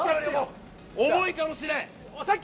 重いかもしれん！